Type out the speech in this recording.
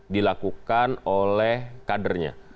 dilakukan oleh kadernya